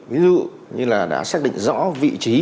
ví dụ như là đã xác định rõ vị trí